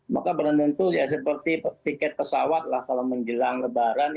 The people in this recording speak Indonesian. maka berantem tuh ya seperti tiket pesawat lah kalau menjelang lebaran